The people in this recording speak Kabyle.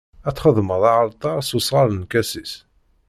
Ad txedmeḍ aɛalṭar s usɣar n lkasis.